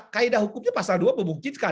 kaedah hukumnya pasal dua membuktikan